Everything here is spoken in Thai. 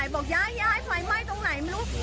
บอกยายยายไฟไหม้ตรงไหนไม่รู้